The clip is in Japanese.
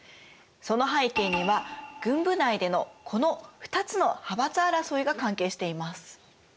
その背景には軍部内でのこの２つの派閥争いが関係しています。